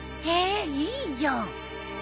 へえいいじゃん。